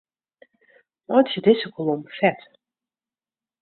Meitsje dizze kolom fet.